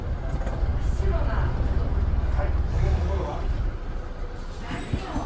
真っ白な犬と解きます。